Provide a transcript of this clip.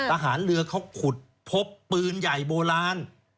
ทหารเรือเขาขุดพบปืนใหญ่โบราณ